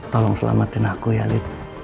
tolong selamatin aku ya lit